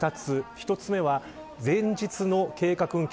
１つ目は前日の計画運休。